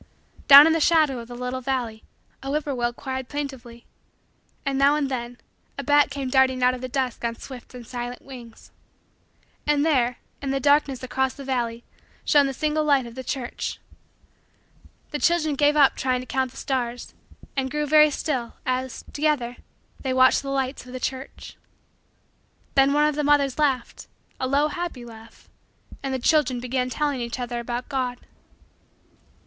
Down in the shadow of the little valley, a whip poor will cried plaintively, and, now and then, a bat came darting out of the dusk on swift and silent wings. And there, in the darkness across the valley, shone the single light of the church. The children gave up trying to count the stars and grew very still, as, together, they watched the lights of the church. Then one of the mothers laughed, a low happy laugh, and the children began telling each other about God.